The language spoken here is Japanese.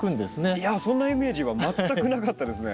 いやそんなイメージは全くなかったですね。